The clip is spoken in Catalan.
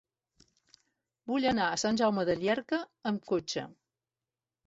Vull anar a Sant Jaume de Llierca amb cotxe.